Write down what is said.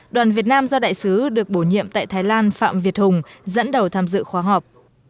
đoàn việt nam do đại sứ được bổ nhiệm tại thái lan phạm việt hùng dẫn đầu tham dự khóa học